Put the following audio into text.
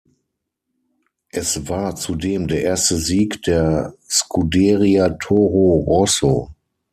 Es war zudem der erste Sieg der Scuderia Toro Rosso.